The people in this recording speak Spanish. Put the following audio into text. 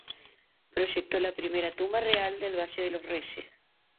Proyectó la primera tumba real del Valle de los Reyes.